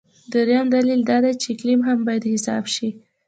درېیم دلیل دا دی چې اقلیم هم باید حساب شي.